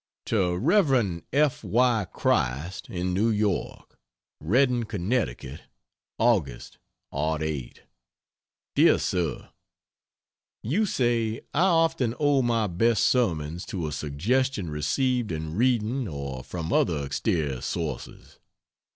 To Rev. F. Y. Christ, in New York: REDDING, CONN., Aug., '08. DEAR SIR, You say "I often owe my best sermons to a suggestion received in reading or from other exterior sources."